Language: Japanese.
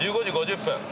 １５時５０分。